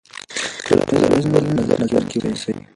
ټولنیز بدلونونه په نظر کې ونیسئ.